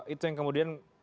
itu yang kemudian